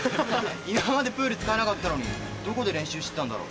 今までプール使えなかったのにどこで練習してたんだろ。